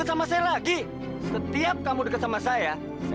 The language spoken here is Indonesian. dan semuanya yang biaraasitas berkelanjutan kto ik floral yaah